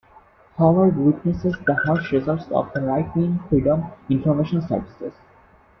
Howard witnesses the harsh results of the right-wing Freedom Information Services.